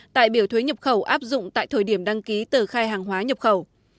tại biểu thuế nhập khẩu áp dụng tại thời điểm đăng ký tờ khai hàng hóa nhập khẩu